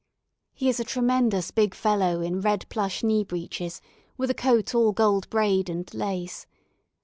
He is a tremendous big fellow in red plush knee breeches, with a coat all gold braid and lace.